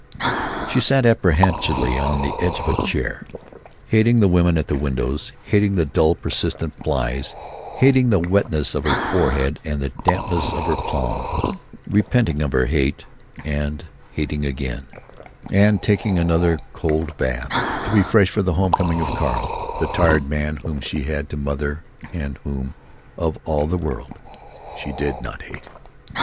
She sat apprehensively on the edge of a chair, hating the women at the windows, hating the dull, persistent flies, hating the wetness of her forehead and the dampness of her palm; repenting of her hate and hating again—and taking another cold bath to be fresh for the home coming of Carl, the tired man whom she had to mother and whom, of all the world, she did not hate.